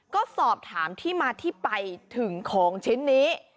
ก็สอบถามที่มาที่ไปถึงของชิ้นนี้